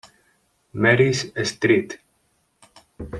Mary's Street.